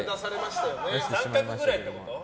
△ぐらいってこと？